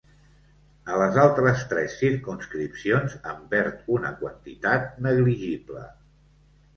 A les altres tres circumscripcions, en perd una quantitat negligible.